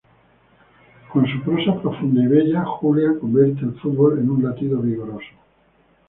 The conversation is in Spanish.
Con su prosa profunda y bella, Juliá convierte el fútbol en un latido vigoroso.